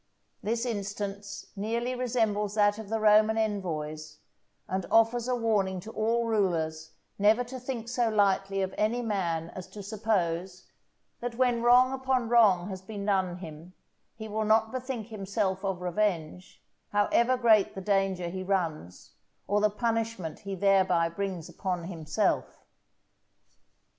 This instance nearly resembles that of the Roman envoys; and offers a warning to all rulers never to think so lightly of any man as to suppose, that when wrong upon wrong has been done him, he will not bethink himself of revenge, however great the danger he runs, or the punishment he thereby brings upon himself.